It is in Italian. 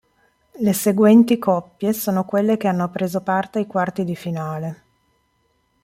Le seguenti coppie sono quelle che hanno preso parte ai Quarti di Finale.